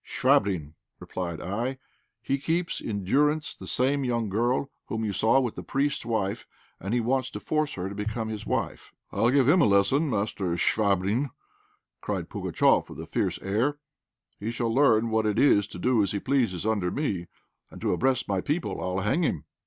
"Chvabrine," replied I; "he keeps in durance the same young girl whom you saw with the priest's wife, and he wants to force her to become his wife." "I'll give him a lesson, Master Chvabrine!" cried Pugatchéf, with a fierce air. "He shall learn what it is to do as he pleases under me, and to oppress my people. I'll hang him."